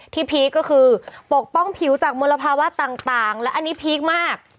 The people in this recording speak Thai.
พีคก็คือปกป้องผิวจากมลภาวะต่างและอันนี้พีคมาก